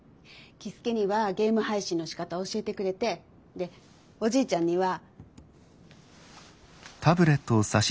樹介にはゲーム配信のしかた教えてくれてでおじいちゃんには。